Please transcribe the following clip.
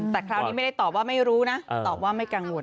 แต่คราวนี้ไม่ได้ตอบว่าไม่รู้นะตอบว่าไม่กังวล